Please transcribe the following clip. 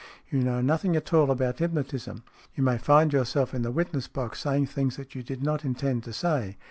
You know nothing at all about hypnotism. You may find yourself in the witness box saying things that you did not intend to say.